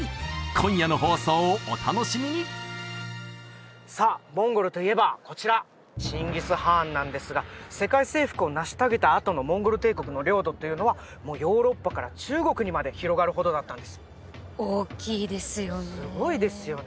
今夜の放送をお楽しみにさあモンゴルといえばこちらチンギス・ハーンなんですが世界征服を成し遂げたあとのモンゴル帝国の領土というのはもうヨーロッパから中国にまで広がるほどだったんですおっきいですよねすごいですよね